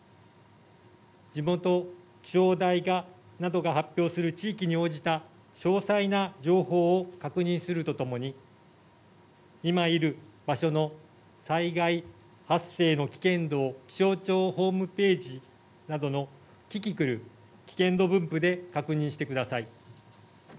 地元気象台などが発表する地域に応じた詳細な情報を確認するとともに今いる場所の災害発生の危険度を気象庁ホームページなどのキキクル危険度分布で確認してください。